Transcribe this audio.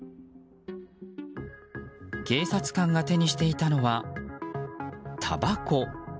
警察官が手にしていたのはたばこ。